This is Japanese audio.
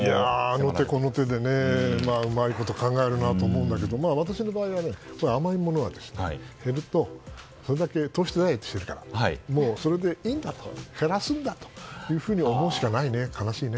あの手この手でうまいこと考えるなと思うんだけど、私の場合は甘いものが減ると、それだけ糖質ダイエットしてるからそれでいいんだと減らすんだというふうに思うしかないね、悲しいね。